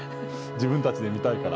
自分たちで見たいから。